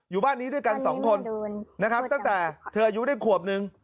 บ้านนี้ด้วยกันสองคนนะครับตั้งแต่เธออายุได้ขวบนึง